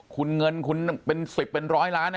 คนเงินเป็นสิบเป็นร้อยล้าน